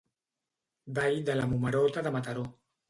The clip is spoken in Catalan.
Ball de la Momerota de Mataró